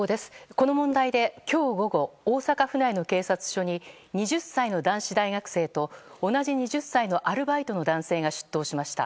この問題で今日午後大阪府内の警察署に２０歳の男子大学生と同じ２０歳のアルバイトの男性が出頭しました。